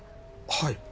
はい。